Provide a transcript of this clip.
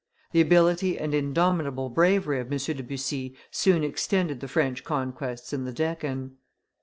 The ability and indomitable bravery of M. de Bussy soon extended the French conquests in the Deccan.